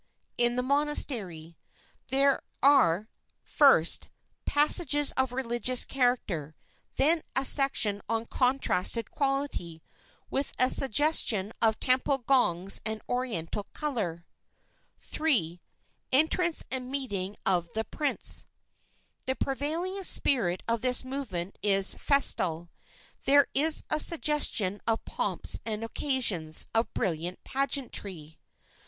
IN THE MONASTERY (There are, first, passages of religious character; then a section of contrasted quality, with a suggestion of temple gongs and Oriental color.) III. ENTRANCE AND MEETING OF THE PRINCE (The prevailing spirit of this movement is festal. There is a suggestion of pomps and occasions, of brilliant pageantry.)